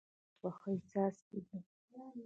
سهار د خوښۍ څاڅکي دي.